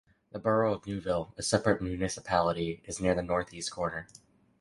The borough of Newville, a separate municipality, is near the northeast corner.